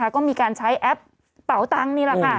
ก็มีการใช้แอปเปาตังค์นี้